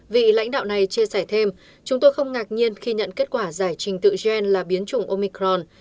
vị lãnh đạo này chia sẻ thêm chúng tôi không ngạc nhiên khi nhận kết quả giải trình tự gen là biến chủng omicron